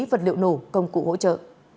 vật liệu nổ công cụ hỗ trợ